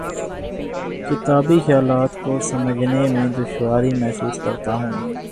کتابی خیالات کو سمجھنے میں دشواری محسوس کرتا ہوں